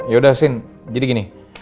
yaudah sin jadi gini